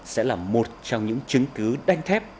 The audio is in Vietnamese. sẽ là một trong những chứng cứ đánh thép